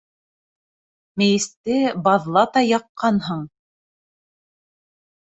Мейесте баҙлата яҡҡанһың...